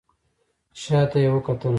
شا ته يې وکتل.